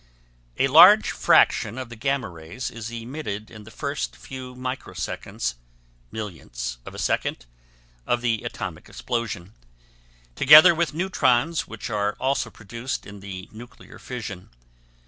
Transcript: A large fraction of the gamma rays is emitted in the first few microseconds (millionths of a second) of the atomic explosion, together with neutrons which are also produced in the nuclear fission.